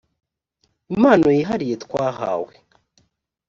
impano yihariye twahawe